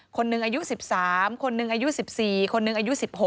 คนหนึ่งอายุ๑๓คนหนึ่งอายุ๑๔คนหนึ่งอายุ๑๖